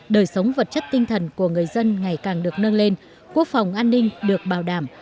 đời sống vật chất tinh thần của người dân ngày càng được nâng lên quốc phòng an ninh được bảo đảm